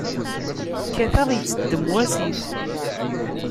Kkateɣ, iteddem wasif.